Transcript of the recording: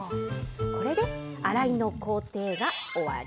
これで、洗いの工程が終わり。